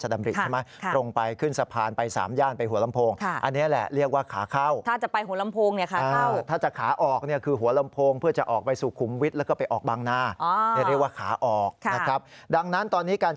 ตั้งแต่๖นาทีถึง๑๐นาที